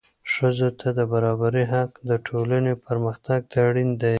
ښځو ته د برابرۍ حق د ټولنې پرمختګ ته اړین دی.